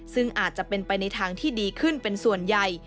ซึ่งอาจจะเป็นไปในทางที่ดีขึ้นเป็นส่วนใหญ่